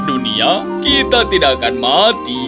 dan jika kita tidak akan mendengarkan makanan yang terakhir